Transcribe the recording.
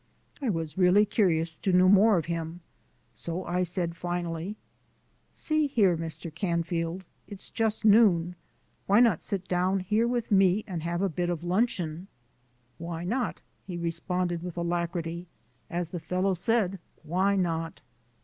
I was really curious to know more of him, so I said finally: "See here, Mr. Canfield, it's just noon. Why not sit down here with me and have a bit of luncheon?" "Why not?" he responded with alacrity. "As the fellow said, why not?"